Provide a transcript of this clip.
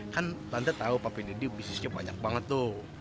kan tante tahu papi deddy bisnisnya banyak banget tuh